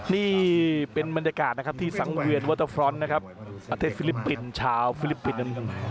นี่เป็นบรรยากาศนะครับที่สังเวียนวอเตอร์ฟรอนด์นะครับประเทศฟิลิปปินส์ชาวฟิลิปปินส์